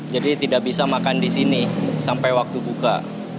jadi tidak bisa makan di sini sampai waktu buka